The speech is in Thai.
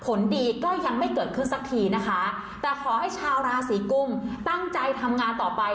ผลดีก็ยังไม่เกิดขึ้นสักทีนะคะแต่ขอให้ชาวราศีกุมตั้งใจทำงานต่อไป